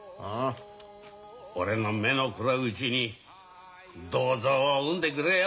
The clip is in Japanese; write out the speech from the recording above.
俺の目の黒いうちに「どうぞう」を生んでくれよ。